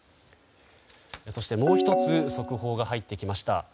そして、もう１つ速報が入ってきました。